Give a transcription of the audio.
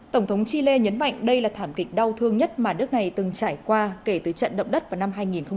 tổng thống chile nhấn mạnh đây là thảm kịch đau thương nhất mà nước này từng trải qua kể từ trận động đất vào năm hai nghìn một mươi